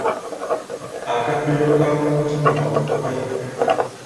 Akabbiro k’abomutima mawuggwe.